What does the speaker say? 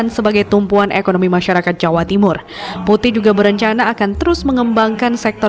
kemudian juga harus memastikan juga bahwa di sekitar jalan lingkar selatan itu